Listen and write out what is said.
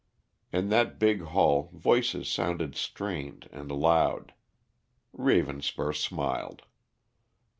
In that big hall voices sounded strained and loud. Ravenspur smiled.